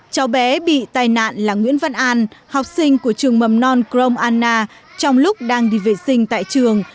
cháu bé bị tai nạn là nguyễn văn an học sinh của trường mầm non crong anna trong lúc đang đi vệ sinh tại trường